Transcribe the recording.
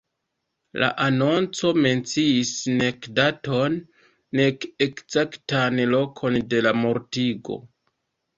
La anonco menciis nek daton, nek ekzaktan lokon de la mortigo.